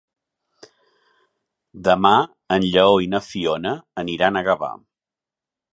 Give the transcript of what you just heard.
Demà en Lleó i na Fiona aniran a Gavà.